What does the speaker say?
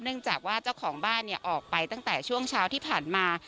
เนื่องจากว่าเจ้าของบ้านออกไปตั้งแต่ช่วงเช้าที่ผ่านมา